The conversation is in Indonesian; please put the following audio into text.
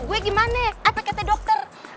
maksudnya mobilnya udah ada dokter